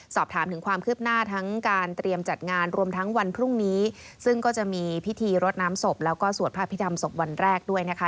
สอบถามถึงความคืบหน้าทั้งการเตรียมจัดงานรวมทั้งวันพรุ่งนี้ซึ่งก็จะมีพิธีรดน้ำศพแล้วก็สวดพระพิธรรมศพวันแรกด้วยนะคะ